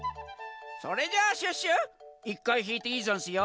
それじゃあシュッシュ１かいひいていいざんすよ。